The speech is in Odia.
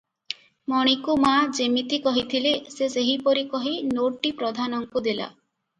ମଣିକୁ ମା' ଯେମିତି କହିଥିଲେ ସେ ସେହିପରି କହି ନୋଟଟି ପ୍ରାଧାନଙ୍କୁ ଦେଲା ।